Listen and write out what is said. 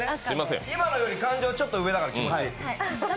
今のより感情、ちょっと上だから。